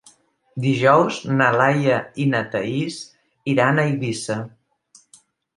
Dijous na Laia i na Thaís iran a Eivissa.